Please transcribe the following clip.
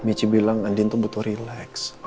michi bilang andin itu butuh relax